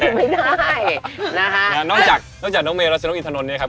ลุ้มไม่ได้นะคะนอกจากน้องเมฆและสุดยอดน้องอีทธนตร์เนี่ยครับ